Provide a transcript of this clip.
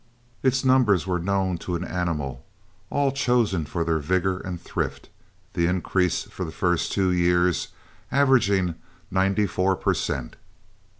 Its numbers were known to an animal, all chosen for their vigor and thrift, the increase for the first two years averaging ninety four per cent.